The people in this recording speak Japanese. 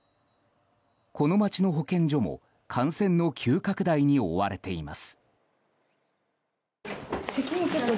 この町の保健所も感染の急拡大に追われています。